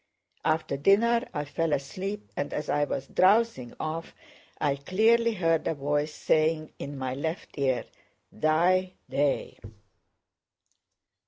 After dinner I fell asleep and as I was drowsing off I clearly heard a voice saying in my left ear, "Thy day!"